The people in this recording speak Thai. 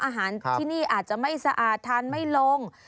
อาหารที่นี่อาจจะไม่สะอาดทานไม่ลง